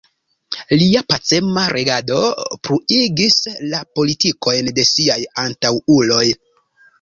Lia pacema regado pluigis la politikojn de siaj antaŭuloj.